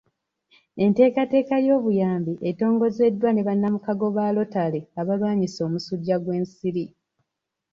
Enteekateeka y'obuyambi etongozeddwa ne bannamukago ba lotale abalwanyisa omusujja gw'ensiri.